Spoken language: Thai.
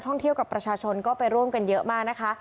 ท่องเที่ยวกับประชาชนก็ไปร่วมกันเยอะมากนะคะ